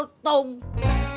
lu jangan ngasih gua kultum